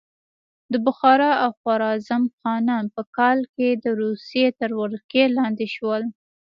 د بخارا او خوارزم خانان په کال کې د روسیې تر ولکې لاندې شول.